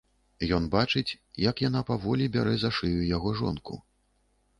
Ён бачыць, як яна паволi бярэ за шыю яго жонку...